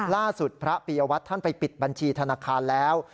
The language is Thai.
พระปียวัตรท่านไปปิดบัญชีธนาคารแล้ว